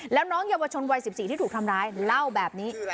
แล้วน้องเยาวชนวัย๑๔ที่ถูกทำร้ายเล่าแบบนี้